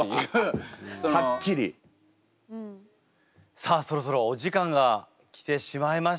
さあそろそろお時間が来てしまいました。